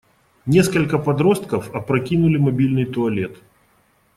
Несколько подростков опрокинули мобильный туалет.